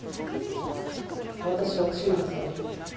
私は中立だ。